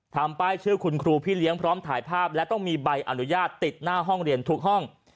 ทำป้ายชื่อคุณครูพี่เลี้ยงพร้อมถ่ายภาพและต้องมีใบอนุญาตติดหน้าห้องเรียนทุกห้อง